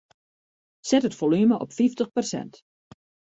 Set it folume op fyftich persint.